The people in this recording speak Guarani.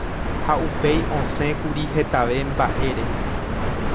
ha upéi osẽkuri hetave mba'ére